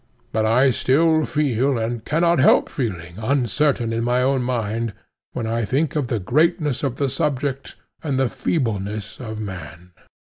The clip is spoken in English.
But I still feel and cannot help feeling uncertain in my own mind, when I think of the greatness of the subject and the feebleness of man.